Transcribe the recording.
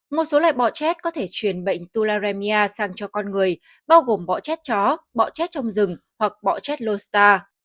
một số loại bọ chét có thể truyền bệnh tularemia sang cho con người bao gồm bọ chét chó bọ chét trong rừng hoặc bọ chét low star